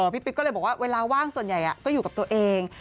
ปิ๊กก็เลยบอกว่าเวลาว่างส่วนใหญ่ก็อยู่กับตัวเอง